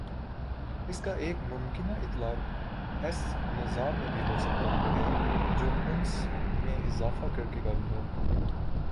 اس کا ایک ممکنہ اطلاق ایس نظام میں ہو سکتا ہے جو انس میں اضافہ کر کے قابل ہو